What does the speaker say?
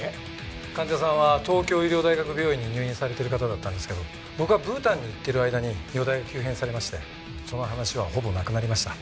患者さんは東京医療大学病院に入院されてる方だったんですけど僕がブータンに行ってる間に容体が急変されましてその話はほぼなくなりました。